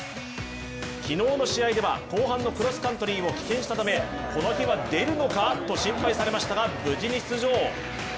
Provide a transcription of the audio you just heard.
昨日の試合では、後半のクロスカントリーを棄権したためこの日は出るのかと心配されましたが、無事に出場。